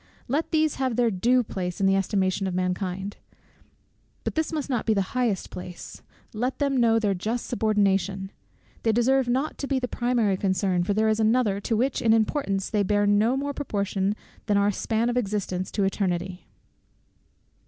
Let these have their due place in the estimation of mankind; but this must not be the highest place. Let them know their just subordination. They deserve not to be the primary concern, for there is another, to which in importance they bear no more proportion than our span of existence to eternity.